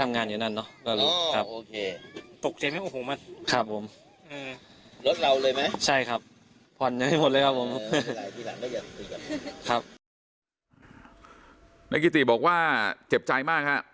นายกิติบอกว่าเจ็บใจมากฮะ